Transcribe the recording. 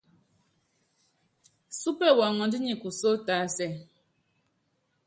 Súpe wɔŋɔndɔ́ nɔtukɔlɔ́ nyi kusó tásɛ.